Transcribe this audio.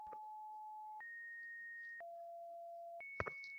আর police আমাকে এমন অপরাধের জন্য খুঁজছিল যা আমি করিনি।